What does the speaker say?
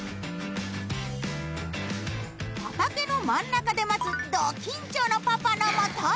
畑の真ん中で待つど緊張のパパの元へ。